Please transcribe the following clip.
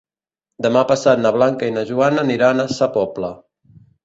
Demà passat na Blanca i na Joana aniran a Sa Pobla.